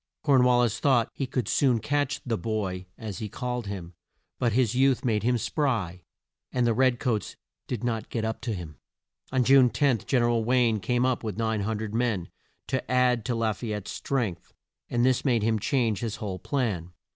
Corn wal lis thought he could soon catch "the boy" as he called him but his youth made him spry, and the red coats did not get up to him. On June 10, Gen er al Wayne came up with 900 men, to add to La fay ette's strength, and this made him change his whole plan.